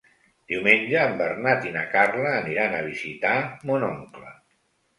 Diumenge en Bernat i na Carla aniran a visitar mon oncle.